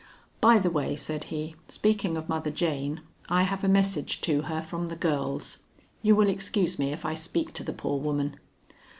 "By the way," said he, "speaking of Mother Jane, I have a message to her from the girls. You will excuse me if I speak to the poor woman."